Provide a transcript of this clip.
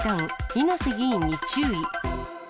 猪瀬議員に注意。